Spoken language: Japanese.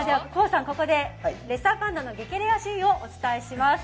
ＫＯＯさん、ここでレッサーパンダの激レアシーンをお伝えします。